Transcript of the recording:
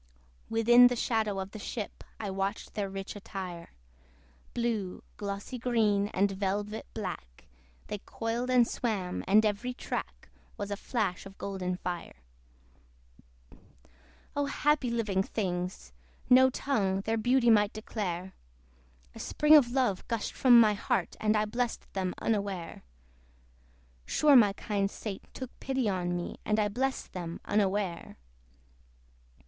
Within the shadow of the ship I watched their rich attire: Blue, glossy green, and velvet black, They coiled and swam; and every track Was a flash of golden fire. O happy living things! no tongue Their beauty might declare: A spring of love gushed from my heart, And I blessed them unaware: Sure my kind saint took pity on me, And I blessed them unaware.